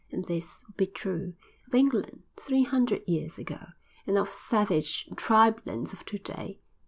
And this would be true—of England three hundred years ago, and of savage tribelands of to day.